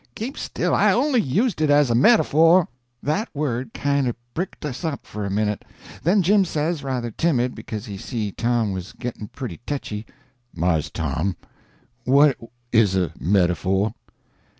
Keep still. I only used it as a metaphor." That word kinder bricked us up for a minute. Then Jim says—rather timid, because he see Tom was getting pretty tetchy: "Mars Tom, what is a metaphor?"